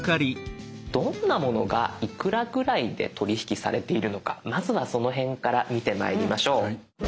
どんなものがいくらぐらいで取り引きされているのかまずはその辺から見てまいりましょう。